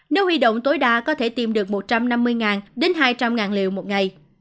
nếu huy động tối đa có thể tiêm được một trăm năm mươi hai trăm linh liều một ngày